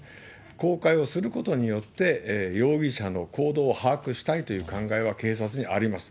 公開をすることによって、容疑者の行動を把握したいという考えは、警察にあります。